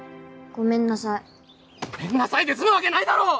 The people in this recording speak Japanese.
ごめんなさいで済むわけないだろう！